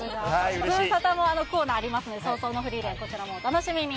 ズムサタもコーナーありますので、葬送のフリーレン、こちらもお楽しみに。